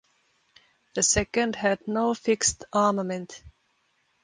The second had no fixed armament.